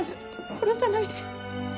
殺さないで。